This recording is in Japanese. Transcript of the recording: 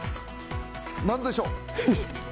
何でしょう！？